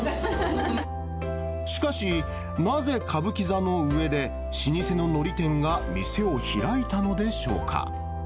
しかし、なぜ歌舞伎座の上で老舗ののり店が店を開いたのでしょうか。